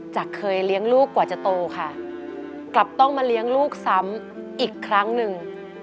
เคยเลี้ยงลูกกว่าจะโตค่ะกลับต้องมาเลี้ยงลูกซ้ำอีกครั้งหนึ่ง